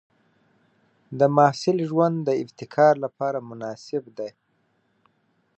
د محصل ژوند د ابتکار لپاره مناسب دی.